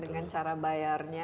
dengan cara bayarnya